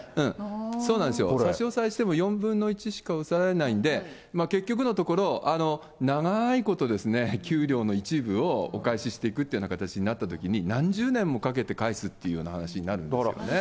そうなんですよ、差し押さえしても、４分の１しか押さえられないんで、結局のところ、長いこと、給料の一部をお返ししていくという形になったときに、何十年もかけて返すっていう話になるんですよね。